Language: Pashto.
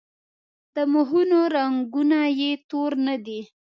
د مخونو رنګونه یې تور نه دي.